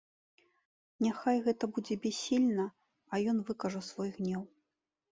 Няхай гэта будзе бяссільна, а ён выкажа свой гнеў.